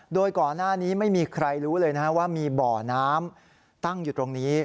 โดยก่อนหน้านี้ไม่มีใครรู้เลยนะว่ามีบ่อน้ำตั้งอยู่ตรงนี้